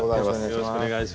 よろしくお願いします。